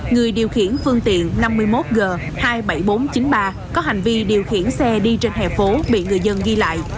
người điều khiển phương tiện năm mươi một g hai mươi bảy nghìn bốn trăm chín mươi ba có hành vi điều khiển xe đi trên hè phố bị người dân ghi lại